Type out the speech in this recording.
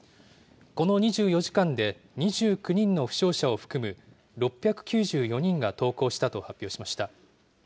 この２４時間で２９人を負傷者を含む６９４人が投降したと発表しました。